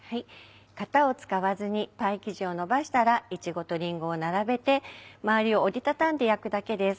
型を使わずにパイ生地をのばしたらいちごとりんごを並べてまわりを折り畳んで焼くだけです。